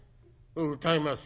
「歌いますよ。